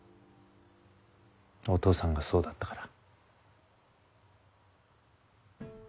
お父さんがそうだったから。